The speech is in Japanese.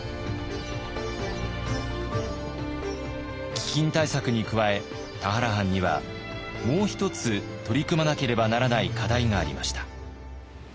飢饉対策に加え田原藩にはもう一つ取り組まなければならない課題がありました。